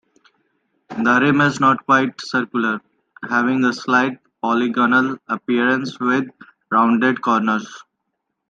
The rim is not quite circular, having a slight polygonal appearance with rounded corners.